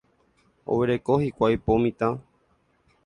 Oguereko hikuái po mitã.